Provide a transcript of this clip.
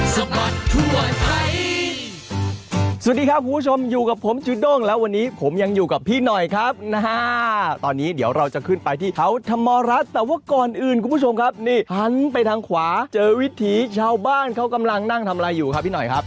สวัสดีครับคุณผู้ชมอยู่กับผมจูด้งแล้ววันนี้ผมยังอยู่กับพี่หน่อยครับนะฮะตอนนี้เดี๋ยวเราจะขึ้นไปที่เขาธรรมรัฐแต่ว่าก่อนอื่นคุณผู้ชมครับนี่หันไปทางขวาเจอวิถีชาวบ้านเขากำลังนั่งทำอะไรอยู่ครับพี่หน่อยครับ